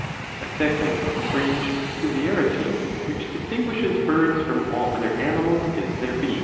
^ A second strange peculiarity which distinguishes birds from all other animals is their beak.